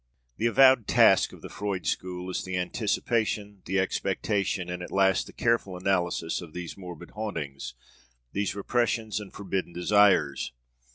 The avowed task of the Freud school is the anticipation, the expectation, and at last the careful analysis of these morbid hauntings, these repressions and forbidden desires.